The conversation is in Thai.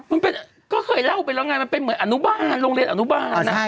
มันก็เคยเล่าไปแล้วไงมันเป็นเหมือนอนุบาลโรงเรียนอนุบาล